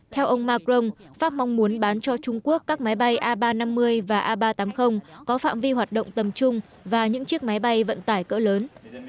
theo ông macron pháp mong muốn bán cho trung quốc các máy bay a ba trăm năm mươi và a ba trăm tám mươi có phạm vi hoạt động tầm trung và những chiếc máy bay vận tải cỡ lớn